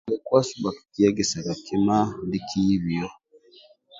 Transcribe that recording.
Kikiegesaga kima ndiki hibiyo.